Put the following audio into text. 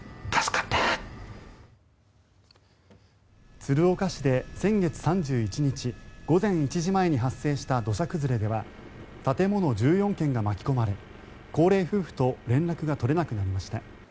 鶴岡市で先月３１日午前１時前に発生した土砂崩れでは建物１４軒が巻き込まれ高齢夫婦と連絡が取れなくなりました。